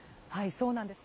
そうなんです。